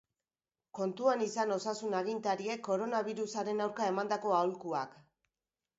Kontuan izan osasun-agintariek koronabirusaren aurka emandako aholkuak.